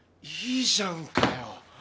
いいじゃんかよ。